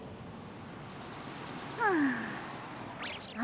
はあ。